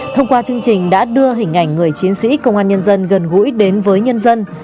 thông qua chương trình đã đưa hình ảnh người chiến sĩ công an nhân dân gần gũi đến với nhân dân